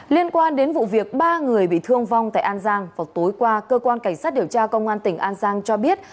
liên quan đến vụ việc ba người bị thương vong tại an giang vào tối qua cơ quan cảnh sát điều tra công an tỉnh an giang cho biết